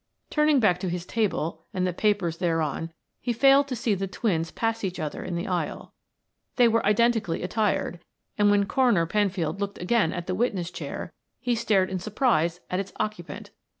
Turning back to his table and the papers thereon he failed to see the twins pass each other in the aisle. They were identically attired and when Coroner Penfield looked again at the witness chair, he stared in surprise at its occupant.